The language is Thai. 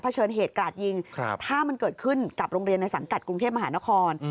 เชิญเหตุกราดยิงถ้ามันเกิดขึ้นกับโรงเรียนในสังกัดกรุงเทพมหานคร